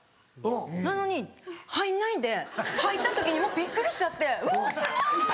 なのに入んないんで入った時にもうびっくりしちゃって「うわすごい！